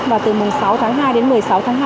và từ mùng sáu tháng hai đến một mươi sáu tháng hai